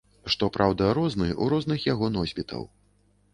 Што праўда, розны ў розных яго носьбітаў.